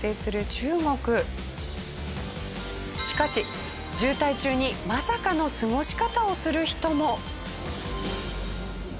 しかし渋滞中にまさかの過ごし方をする人も。